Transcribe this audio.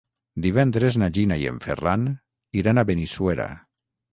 Divendres na Gina i en Ferran iran a Benissuera.